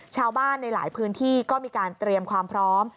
ชาวบ้านในหลายพื้นที่ก็มีการเตรียมความพร้อม